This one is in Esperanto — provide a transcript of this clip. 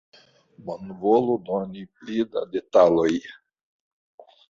Bonvolu doni pli da detaloj